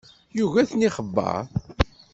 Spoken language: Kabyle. Yugi ad ten-ixebber.